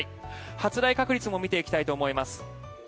発雷確率も見ていきたいと思います。